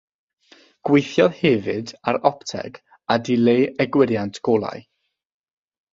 Gweithiodd hefyd ar opteg a dileu egwyriant golau.